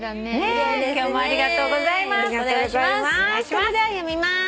それでは読みまーす。